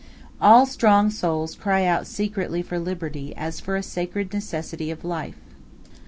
All strong souls cry out secretly for liberty as for a sacred necessity of life.